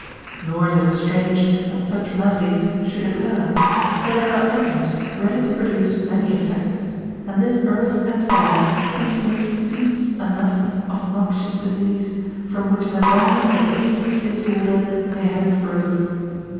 Nor is it strange that such maladies should occur; for there are atoms ready to produce many effects ; and this «arth and air contain seeds enough of noxious dis ease, from which an abundance of infinite disorder may have its growth.